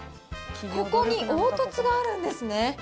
ここに凹凸があるんですね。